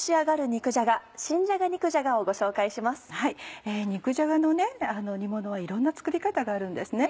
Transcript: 肉じゃがの煮ものはいろんな作り方があるんですね。